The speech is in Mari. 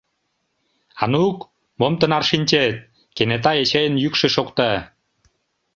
— Анук, мом тынар шинчет? — кенета Эчейын йӱкшӧ шокта.